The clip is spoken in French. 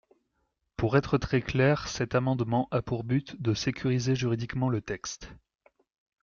Pour être très clair, cet amendement a pour but de sécuriser juridiquement le texte.